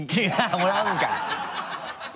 もらうんかい！